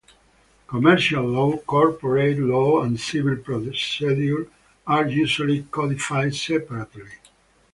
Commercial law, corporate law and civil procedure are usually codified separately.